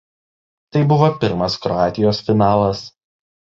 Tai buvo pirmas Kroatijos finalas.